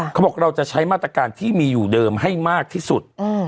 เขาบอกเราจะใช้มาตรการที่มีอยู่เดิมให้มากที่สุด